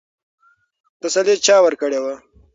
تسلي چا ورکړې وه؟